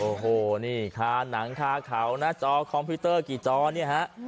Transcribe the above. โอ้โหนี่คาหนังคาเขานะจอคอมพิวเตอร์กี่จอเนี่ยฮะ